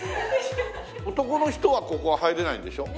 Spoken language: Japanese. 男の人はここは入れないんでしょ？